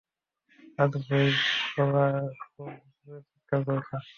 আজ বাইয়ের গলা খুব জোরে চিৎকার করছে।